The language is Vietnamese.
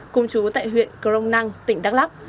cùng chú tại huyện crong năng tỉnh đắk lắk